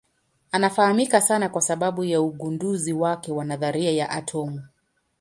Anafahamika sana kwa sababu ya ugunduzi wake wa nadharia ya atomu.